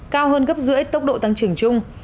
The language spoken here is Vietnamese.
cao hơn gấp giữa tốc độ tăng trưởng chung